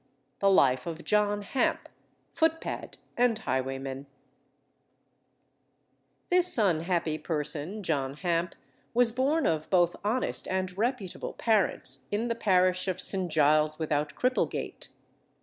The Life of JOHN HAMP, Footpad and Highwayman This unhappy person, John Hamp, was born of both honest and reputable parents in the parish of St. Giles without Cripplegate.